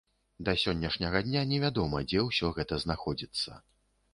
Да сённяшняга дня невядома, дзе ўсё гэта знаходзіцца.